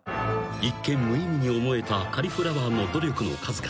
［一見無意味に思えたカリフラワーの努力の数々］